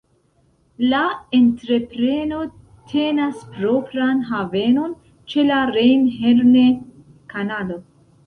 La entrepreno tenas propran havenon ĉe la Rejn-Herne-Kanalo.